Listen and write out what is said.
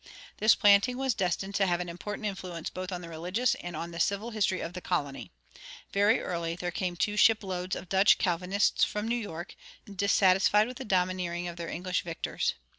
This planting was destined to have an important influence both on the religious and on the civil history of the colony. Very early there came two ship loads of Dutch Calvinists from New York, dissatisfied with the domineering of their English victors.